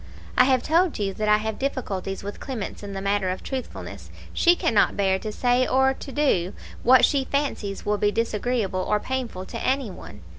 "I have told you that I have difficulties with Clemence in the matter of truthfulness. She cannot bear to say or to do what she fancies will be disagreeable or painful to any one.